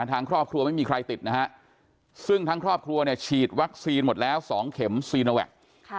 ทางครอบครัวไม่มีใครติดนะฮะซึ่งทั้งครอบครัวเนี่ยฉีดวัคซีนหมดแล้ว๒เข็มซีโนแวค